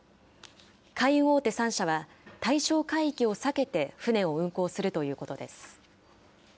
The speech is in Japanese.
海運大手３社は、対象海域を避けて船を運航するということです。